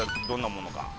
どんなものか。